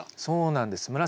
そうなんです。